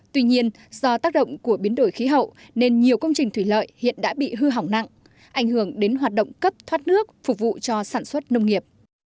tuy nhiên do tác động của biến đổi khí hậu nên nhiều công trình thủy lợi hiện đã bị hư hỏng nặng ảnh hưởng đến hoạt động cấp thoát nước phục vụ cho sản xuất nông nghiệp